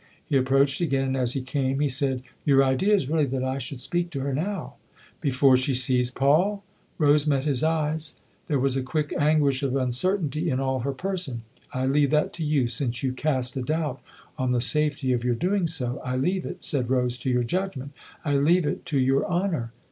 He approached again, and as he came he said :" Your idea is really that 1 should speak to her now ?"" Before she sees Paul ?" Rose met his eyes ; there was a quick anguish of uncertainty in all her person. " I leave that to you since you cast a doubt on the safety of your doing so. I leave it/' said Rose, "to your judgment I leave it to your honour."